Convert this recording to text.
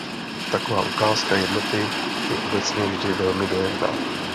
Taková ukázka jednoty je obecně vždy velmi dojemná.